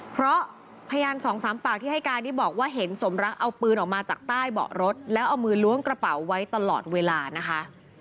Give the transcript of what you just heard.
เพราะพยานสองสามปากที่ให้การที่บอกว่าเห็นสมรักเอาปืนออกมาจากใต้เบาะรถแล้วเอามือล้วงกระเป๋าไว้ตลอดเวลานะคะ